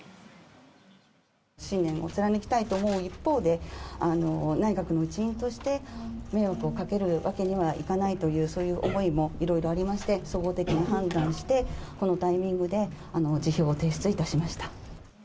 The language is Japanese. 信念を貫きたいと思う一方で、内閣の一員として迷惑をかけるわけにはいかないという、そういう思いもいろいろありまして、総合的に判断して、このタイミングで、辞表を提出いたしました。